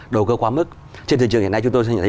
đầu cơ quá mức trên thị trường hiện nay chúng tôi nhận thấy